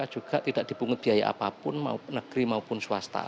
maka juga tidak dibungkut biaya apapun negeri maupun swasta